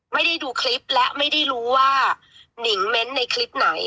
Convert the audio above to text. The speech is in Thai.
ไม่ได้ดูคลิปและไม่ได้รู้ว่านิงเม้นต์ในคลิปไหน